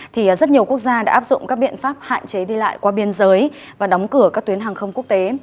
thì rất nhiều quốc gia đã áp dụng các biện pháp hạn chế đi lại qua biên giới và đóng cửa các tuyến hàng không quốc tế